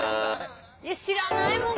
知らないもん